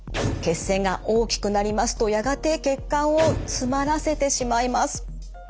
血栓が大きくなりますとやがて血管を詰まらせてしまいます。